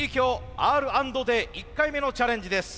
１回目のチャレンジです。